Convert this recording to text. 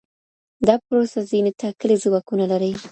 دا پروسه ځینې ټاکلي ځواکونه لري.